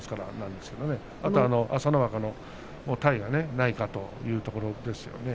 あと朝乃若の体がないかというところですね。